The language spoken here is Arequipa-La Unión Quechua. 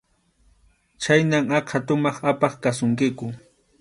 Chhayna aqha tumaq apaq kasunkiku.